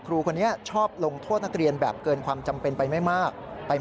ครูคนนี้ชอบลงโทษนักเรียนแบบเกินความจำเป็นไปไม่มาก